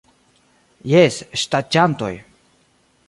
Jes ŝtaĝantoj...